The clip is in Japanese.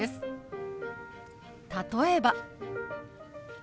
例えば。